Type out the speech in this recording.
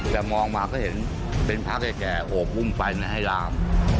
แต่มองมาก็เห็นเป็นพระแก่โอบอุ้มไปให้ลาม